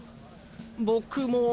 僕も。